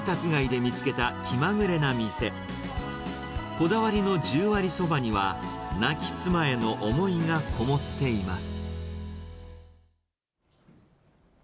こだわりの十割そばには、亡き妻への思いがこもっています。